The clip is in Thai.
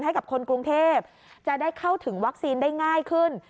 ให้กับคนกรุงเทพจะได้เข้าถึงวัคซีนได้ง่ายขึ้น